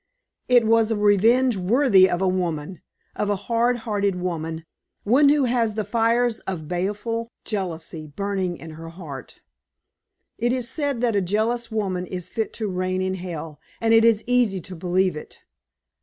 It was a revenge worthy of a woman of a hard hearted woman one who has the fires of baleful jealousy burning in her heart. It is said that a jealous woman is fit to reign in hell, and it is easy to believe it.